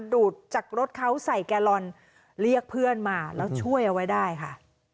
ดูดจากรถเขาใส่แกลลอนเรียกเพื่อนมาแล้วช่วยเอาไว้ได้ค่ะ